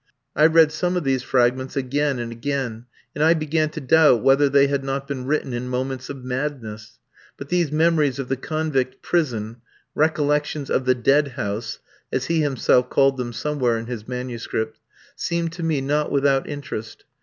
I read some of these fragments again and again, and I began to doubt whether they had not been written in moments of madness; but these memories of the convict prison "Recollections of the Dead House," as he himself called them somewhere in his manuscript seemed to me not without interest.